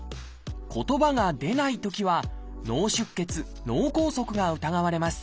言葉が出ないときは脳出血・脳梗塞が疑われます。